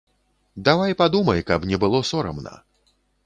Давай падумай, каб не было сорамна.